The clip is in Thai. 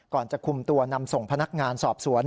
จะคุมตัวนำส่งพนักงานสอบสวน